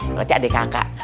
berarti adik kakak